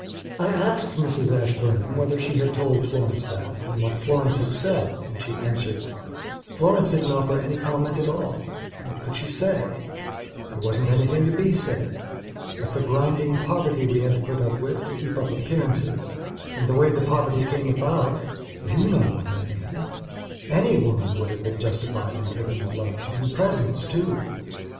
I asked Mrs Ashburnham whether she had told Florence that and what Florence had said and she answered:"Florence didn't offer any comment at all. What could she say? There wasn't anything to be said. With the grinding poverty we had to put up with to keep up appearances, and the way the poverty came aboutyou know what I meanany woman would have been justified in taking a lover and presents too.